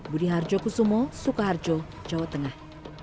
budi harjo kusumo suka harjo jawa tengah